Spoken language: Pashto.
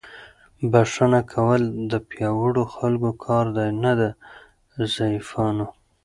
بښنه کول د پیاوړو خلکو کار دی، نه د ضعیفانو.